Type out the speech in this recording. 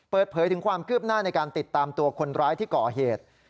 เปิดเผยถึงความคืบหน้าในการติดตามตัวคนร้ายที่ก่อเหตุ